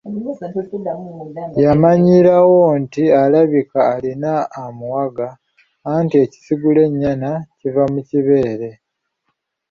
Yamanyirawo nti alabika alina amuwaga, anti ekisigula ennyana kiva mu kibeere.